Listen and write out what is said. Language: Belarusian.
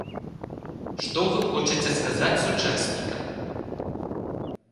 Што вы хочаце сказаць сучаснікам?